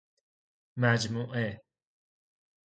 مجموعه